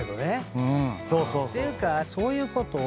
ていうかそういうことを。